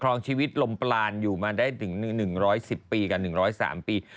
รองชีวิตลมปลานอยู่มาได้ถึง๑๑๐ปีกับ๑๐๓ปี